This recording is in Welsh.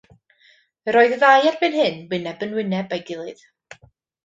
Yr oedd y ddau erbyn hyn wyneb yn wyneb a'i gilydd.